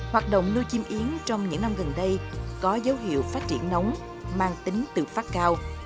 hoạt động nuôi chim yến trong những năm gần đây có dấu hiệu phát triển nóng mang tính tự phát cao